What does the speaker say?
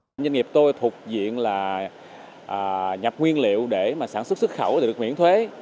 doanh nghiệp tôi thuộc diện là nhập nguyên liệu để sản xuất xuất khẩu được miễn thuế